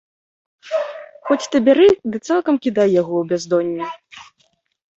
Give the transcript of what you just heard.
Хоць ты бяры ды цалкам кідай яго ў бяздонне.